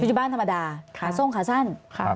ชุดอยู่บ้านธรรมดาขาส้งขาสั้น